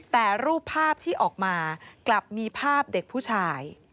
แต่รูปภาพที่ออกมากลับมีภาพเด็กผู้ชาย